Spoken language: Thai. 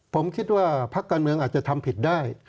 ผมคิดว่าพักการเมืองอาจจะทำผิดได้